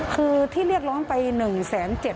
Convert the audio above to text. คือที่เรียกร้องไปหนึ่งแสนเจ็ด